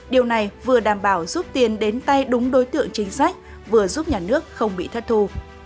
điều này vừa đảm bảo giúp tiền đến tay đúng đối tượng chính sách vừa giúp nhà nước không bị thất thù